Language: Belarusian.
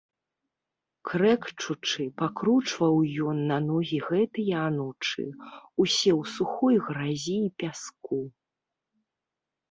Крэкчучы, пакручваў ён на ногі гэтыя анучы, усе ў сухой гразі і пяску.